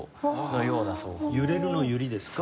「揺れる」の「揺り」ですか？